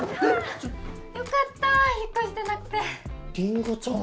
ちょっはあよかった引っ越してなくてりんごちゃん